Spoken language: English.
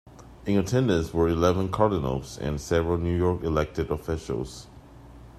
In attendance were eleven cardinals and several New York elected officials.